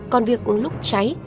còn việc lúc cháy